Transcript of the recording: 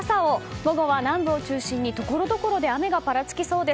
午後は南部を中心にところどころで雨がぱらつきそうです。